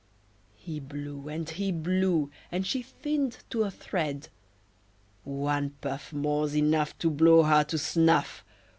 He blew and he blew, and she thinned to a thread. "One puff More's enough To blow her to snuff!